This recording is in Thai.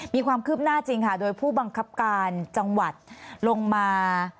มีความคืบหน้าจริงค่ะโดยผู้บังคับการจังหวัดลงมา